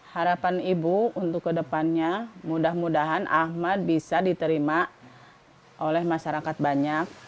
harapan ibu untuk kedepannya mudah mudahan ahmad bisa diterima oleh masyarakat banyak